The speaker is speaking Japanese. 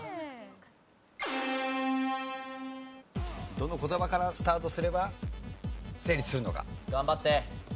どの言葉からスタートすれば成立するのか？